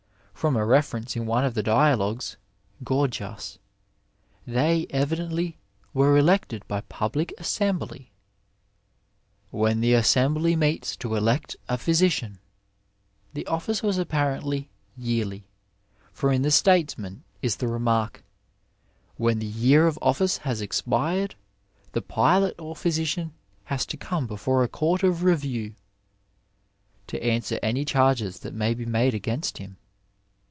From a reference in one of the dia logues {Oorgiaa) they evidently were elected by public assembly, —'^ when the assembly meets to elect a physi cian/'^ The office was apparently yearly, for in the Statesman is the remark, "when the year of office has expired, the pilot or ph3rsician has to come before a court of review " to answer any charges that may be made against him.